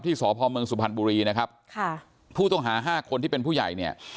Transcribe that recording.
สพเมืองสุพรรณบุรีนะครับค่ะผู้ต้องหาห้าคนที่เป็นผู้ใหญ่เนี่ย